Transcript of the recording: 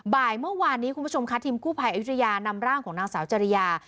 บ่ายเมื่อวานนี้คุณผู้ชมค่ะทีมกู้ภัยอายุทยานำร่างของนางสาวจริยา